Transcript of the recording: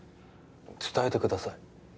伝えてください